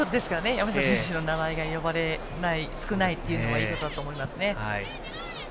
山下選手の名前が呼ばれることが少ないというのはいいことだと思います。